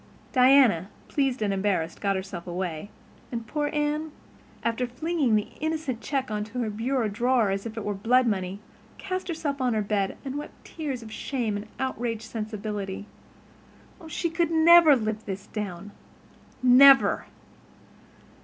Diana, pleased and embarrassed, got herself away, and poor Anne, after flinging the innocent check into her bureau drawer as if it were blood money, cast herself on her bed and wept tears of shame and outraged sensibility. Oh, she could never live this down—never!